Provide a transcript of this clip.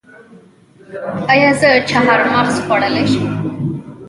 ایا زه چهارمغز خوړلی شم؟